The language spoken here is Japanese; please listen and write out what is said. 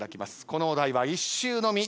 このお題は１周のみ。